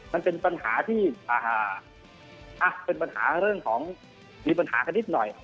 มันเป็นปัญหาที่เป็นปัญหาเรื่องของมีปัญหากันนิดหน่อย